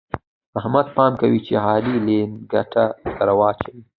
احمده! پام کوه چې علي لېنګته دراچوي.